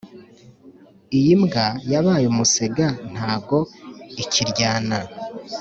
Iyimbwa yabaye umusega ntago ikiryana